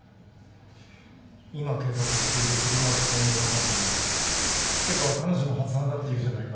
今計画している車椅子専用のマンションも聞けば彼女の発案だっていうじゃないか。